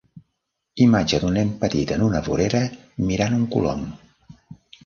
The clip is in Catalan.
Imatge d'un nen petit en una vorera mirant un colom.